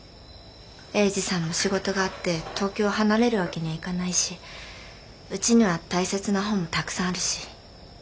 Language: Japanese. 英治さんも仕事があって東京を離れる訳にはいかないしうちには大切な本もたくさんあるし。